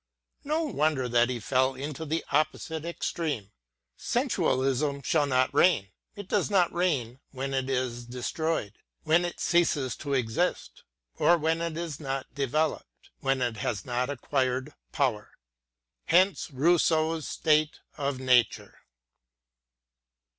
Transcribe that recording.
No wonder that he fell into the opposite extreme. Sensualism shall not reign; — it does not reign when it is destroyed, — when it ceases to exist; or when it is not developed, — when it has not acquired power. Hence Rousseau s State of Nature.